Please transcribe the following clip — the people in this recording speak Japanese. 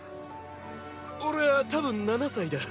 俺ァ多分７歳だ。